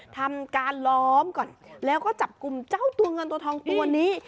ทำการล้อมก่อนแล้วก็จับกลุ่มเจ้าตัวเงินตัวทองตัวนี้